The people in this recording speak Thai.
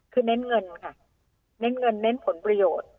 คือเน้นเงินค่ะเน้นเงินเน้นผลประโยชน์